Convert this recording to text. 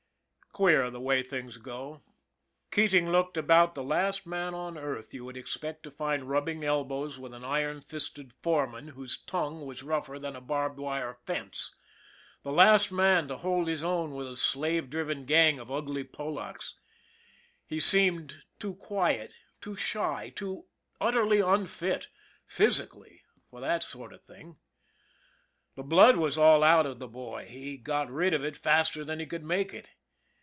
Queer the way things go. Keating looked about the last man on earth you would expect to find rubbing elbows with an iron fisted foreman whose tongue was rougher than a barbed wire fence ; the last man to hold his own with a slave driven gang of ugly Polacks. He seemed too quiet, too shy, too utterly unfit, physically, for that sort of thing. The blood was all out of the boy he got rid of it faster than he could make it.